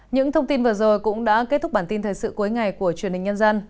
những thông tin vừa rồi cũng đã kết thúc bản tin thời sự cuối ngày của truyền hình nhân dân